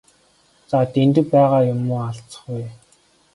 За Дэндэв байгаа юм юу алзах вэ?